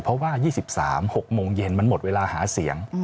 เพราะว่า๒๓๖โมงเย็นมันหมดเวลาหาเสียง